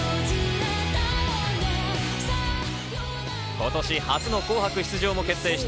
今年初の紅白出場も決定した